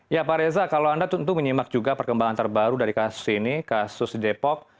ya pak reza kalau anda tentu menyimak juga perkembangan terbaru dari kasus ini kasus depok